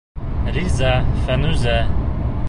Риза, Фәнүзә.